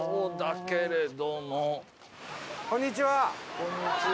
こんにちは。